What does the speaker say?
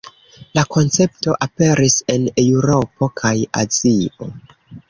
La koncepto aperis en Eŭropo kaj Azio.